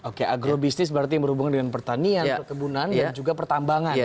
oke agrobisnis berarti yang berhubungan dengan pertanian kebunan dan juga pertambangan gitu ya